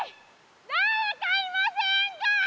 誰かいませんか？